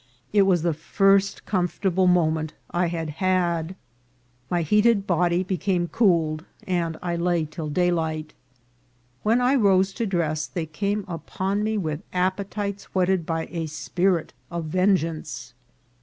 It was the first comfortable moment I had had. My heat ed body became cooled, and I lay till daylight. When I rose to dress they came upon me with appetites whet ted by a spirit of vengeance.